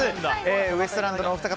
ウエストランドのお二方